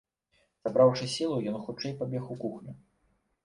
Сабраўшы сілу, ён хутчэй пабег у кухню.